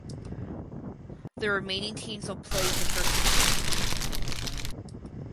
The remaining teams will play in the first round.